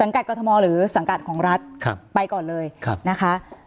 กัดกรทมหรือสังกัดของรัฐไปก่อนเลยนะคะ